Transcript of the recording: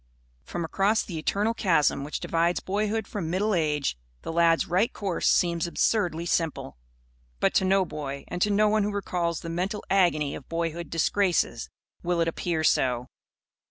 From across the eternal chasm which divides boyhood from middle age, the lad's right course seems absurdly simple. But to no boy, and to no one who recalls the mental agony of boyhood disgraces, will it appear so.